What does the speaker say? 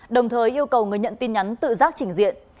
đồng thời yêu cầu người nhận tin nhắn tự giác chỉnh diện